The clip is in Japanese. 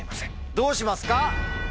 どうしますか？